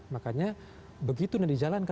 makanya begitu yang dijalankan